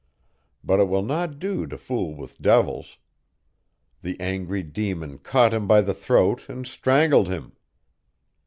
But it will not do to fool with devils. The angry demon caught him by the throat and strangled him.